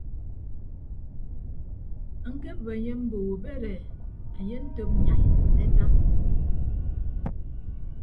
Ñkebịp enye mbo ubed e anye antop nyai nte ata.